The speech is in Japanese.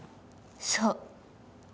そう。